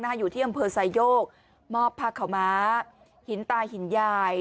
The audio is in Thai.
น่าอยู่ที่อำเภอสายโยกมอบพระขวาม้าหินตายหินยาย